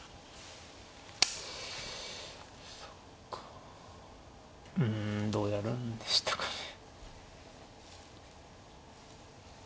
そうかうんどうやるんでしたかね。